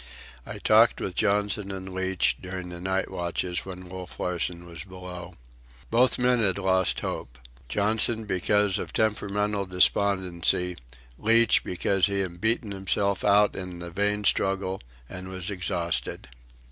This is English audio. I talked with Johnson and Leach, during the night watches when Wolf Larsen was below. Both men had lost hope—Johnson, because of temperamental despondency; Leach, because he had beaten himself out in the vain struggle and was exhausted.